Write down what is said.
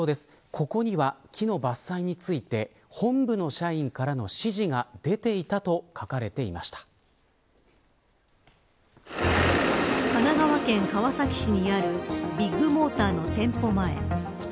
ここには、木の伐採について本部の社員からの指示が神奈川県川崎市にあるビッグモーターの店舗前。